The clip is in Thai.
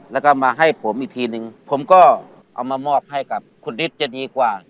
แล้วก็มาให้ผมอีกทีนึงผมก็เอามามอบให้กับคุณฤทธิ์จะดีกว่า